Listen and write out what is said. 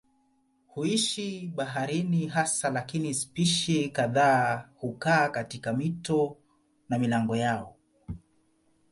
Huishi baharini hasa lakini spishi kadhaa hukaa katika mito na milango yao.